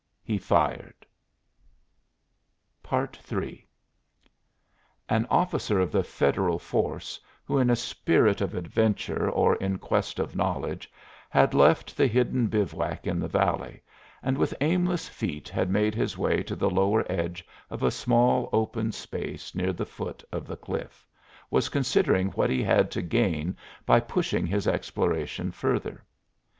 He fired. III An officer of the Federal force, who in a spirit of adventure or in quest of knowledge had left the hidden bivouac in the valley, and with aimless feet had made his way to the lower edge of a small open space near the foot of the cliff, was considering what he had to gain by pushing his exploration further.